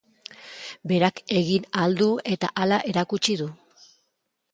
Berak egin ahal du eta hala erakutsi du.